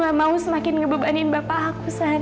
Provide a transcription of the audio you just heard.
aku gak mau semakin ngebebanin bapak aku san